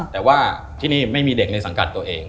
แต่ว่าที่นี่ไม่มีเด็กในสังกัดตัวเอง